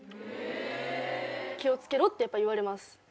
気を付けろってやっぱ言われます。